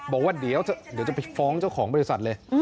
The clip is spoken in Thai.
บอกว่าเดี๋ยวจะไปฟ้องเจ้าของบริษัทเลย